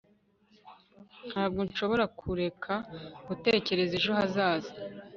ntabwo nshobora kureka gutekereza ejo hazaza